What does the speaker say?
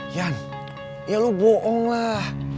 jan ya lo bohong lah